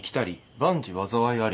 万事災いあり」